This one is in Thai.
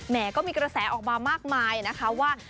ก็มีกระแสออกมามากมายนะคะว่า